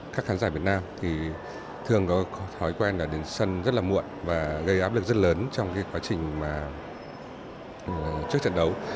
các khán giả việt nam thường có thói quen đến sân rất muộn và gây áp lực rất lớn trong quá trình trước trận đấu